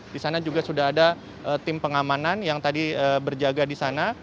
di sana juga sudah ada tim pengamanan yang tadi berjaga di sana